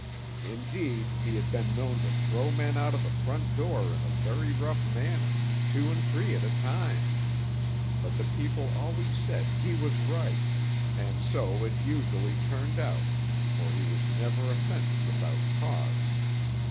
Indeed, he had been known to throw men out of the front door in a very rough manner, two and three at a time; but the people always said he was right, and so it usually turned out, for he was never offended without cause.